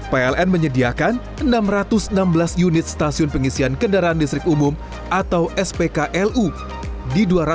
pln menyediakan enam ratus enam belas unit stasiun pengisian kendaraan listrik umum atau spk lu di dua ratus delapan puluh empat lokasi yainedward spklu di dua ratus delapan puluh empat lokasi yang tersebar di seluruh negara